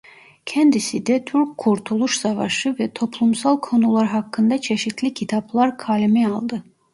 Kendisi de Türk Kurtuluş Savaşı ve toplumsal konular hakkında çeşitli kitaplar kaleme aldı.